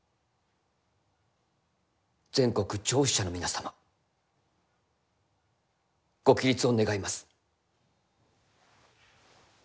全国聴取者の皆様ご起立を願います。